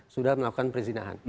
sudah melakukan perzinahan